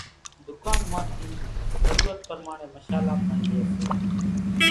ڌُڪان مان ٿي ضرورت پرماڻي مشالا پڻ لئي سي۔